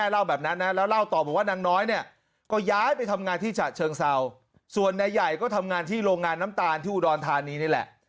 เล่าแบบนั้นนะแล้วเล่าต่อบอกว่านางน้อยเนี่ยก็ย้ายไปทำงานที่ฉะเชิงเศร้าส่วนนายใหญ่ก็ทำงานที่โรงงานน้ำตาลที่อุดรธานีนี่แหละ